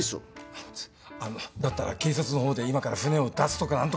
あっあのだったら警察のほうで今から船を出すとか何とか。